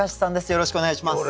よろしくお願いします。